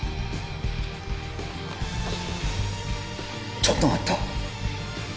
ちょっと待った！